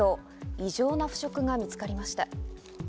異常な腐食が見つかりました。